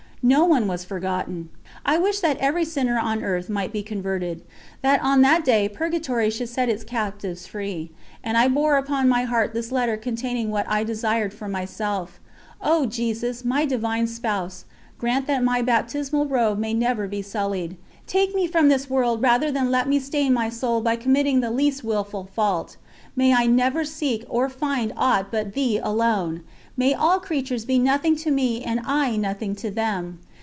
No one was forgotten. I wished that every sinner on earth might be converted; that on that day Purgatory should set its captives free; and I bore upon my heart this letter containing what I desired for myself: "O Jesus, my Divine Spouse, grant that my baptismal robe may never be sullied. Take me from this world rather than let me stain my soul by committing the least wilful fault. May I never seek or find aught but Thee alone! May all creatures be nothing to me and I nothing to them!